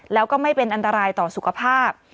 แล้วก็ไม่เป็นอันตรายต่อสุขภาพ